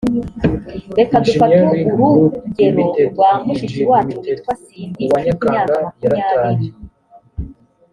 reka dufate urugero rwa mushiki wacu witwa cindy ufite imyaka makumyabiri